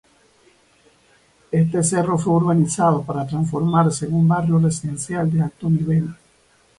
Este cerro fue urbanizado para transformarse en un barrio residencial de alto nivel.